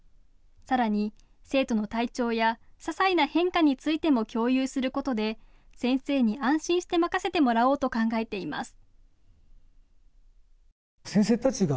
さらに、生徒の体調やささいな変化についても共有することで先生に安心して任せてもらおうと考えています。